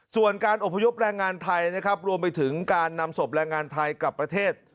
ส่วนการอบพยพแรงงานไทยนะครับรวมไปถึงการนำศพแรงงานไทยกลับประเทศ